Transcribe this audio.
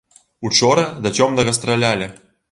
Учора да цёмнага стралялі.